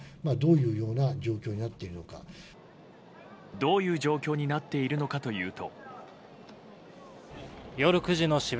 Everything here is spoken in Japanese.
どういう状況になっているのかというと。